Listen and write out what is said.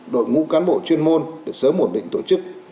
đội ngũ cán bộ chuyên môn để sớm ổn định tổ chức